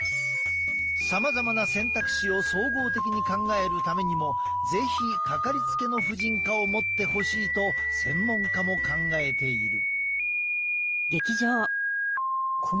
さまざまな選択肢を総合的に考えるためにも是非かかりつけの婦人科を持ってほしいと専門家も考えている。